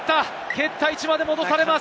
蹴った位置まで戻されます。